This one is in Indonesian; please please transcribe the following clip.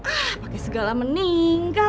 ah pake segala meninggal